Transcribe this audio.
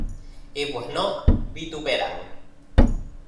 Y pues no vituperan